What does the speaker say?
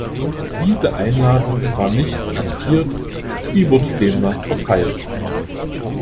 Diese Einladung war nicht frankiert, sie wurde demnach verteilt.